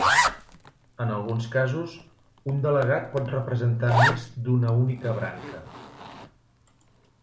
En alguns casos, un delegat pot representar més d'una única branca.